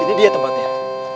ini dia tempatnya